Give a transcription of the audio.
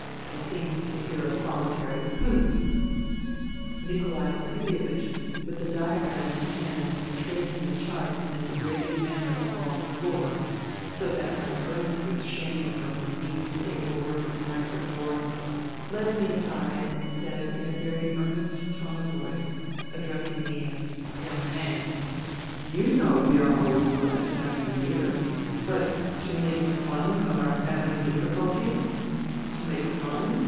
I seemed to hear a solitary " Hm !" Nikolai Vasilievich, with the diagram in his hand and trailing the chart in a degrading manner along the floor, so that I burnt with shame for my neat and able work of the night before, led me aside and said in a very earnest tone of voice, addressing me as " Young man ":" You know we are always glad to have you here, but to make fun of our family difficulties ... to make fun